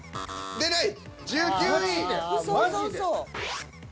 出ない。